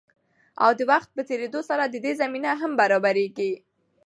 او د وخت په تېريدو سره د دې زمينه هم برابريږي.